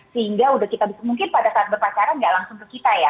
sehingga kita mungkin pada saat berpacaran nggak langsung ke kita ya